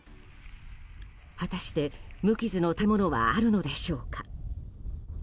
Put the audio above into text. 果たして無傷の建物はあるのでしょうか。